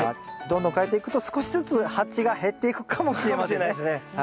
どんどん変えていくと少しずつ鉢が減っていくかもしれませんね。かもしれないですね。